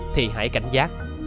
thì hãy cảnh giác